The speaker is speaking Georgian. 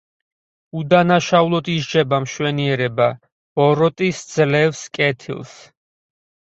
უდანაშაულოდ ისჯება მშვენიერება, ბოროტი სძლევს კეთილს.